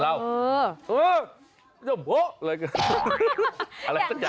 คนผู้ชมที่รู้ว่า